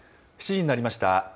７時になりました。